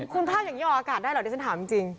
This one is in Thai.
คุณภาพอย่างนี้ออกอากาศได้เหรอดิฉันถามจริง